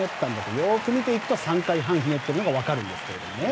よく見ると３回半ひねってるのが分かるんですけどね。